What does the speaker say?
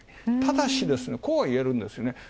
ただしですね、こうはいえるんですよね。